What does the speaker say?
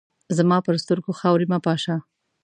زما پر سترګو خاوري مه پاشه !